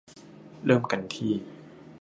เริ่มกันที่